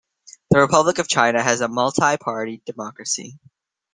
The Republic of China has a multi-party democracy.